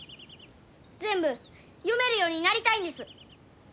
全部読めるようになりたいんです。